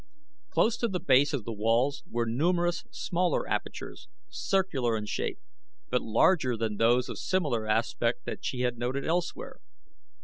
Close to the base of the walls were numerous smaller apertures, circular in shape, but larger than those of similar aspect that she had noted elsewhere.